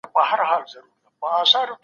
دا بدلونونه نوې بڼه لري.